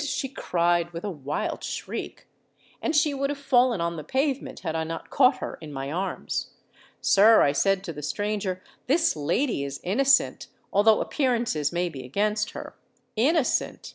_' she cried, with a wild shriek; and she would have fallen on the pavement, had I not caught her in my arms.—'Sir,' I said to the stranger, 'this lady is innocent, although appearances may be against her.'—'_Innocent!